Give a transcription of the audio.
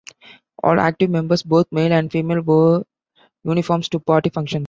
All active members, both male and female, wore uniforms to party functions.